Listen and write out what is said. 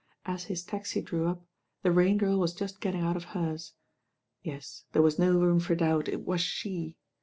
As his taxi drew up, the Rain Girl was just getting out of hers. Yes, there was no room for doubt, it was she.